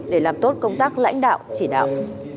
để làm tốt công tác lãnh đạo chỉ đạo